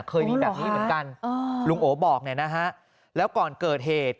เคยมีแบบนี้เหมือนกันลุงโอบอกเนี่ยนะฮะแล้วก่อนเกิดเหตุ